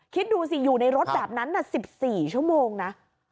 คิดดูสิอยู่ในรถแบบนั้น๑๔ชั่วโมงนะ